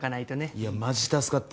いやマジ助かった。